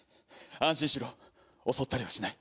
安心しろ襲ったりはしない。